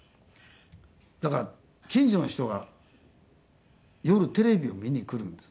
だから近所の人が夜テレビを見に来るんですね。